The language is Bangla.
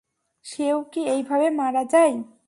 সে-ও কি এইভাবে মারা যায়?